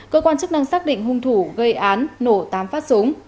cơ quan chức năng xác định hung thủ gây án nổ tám phát súng